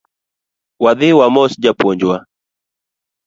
Wadhi wamos japuonj wa